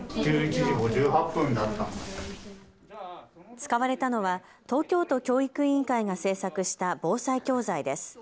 使われたのは東京都教育委員会が制作した防災教材です。